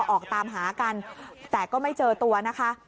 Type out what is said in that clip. ออกตามหากันแต่ก็ไม่เจอตัวนะคะ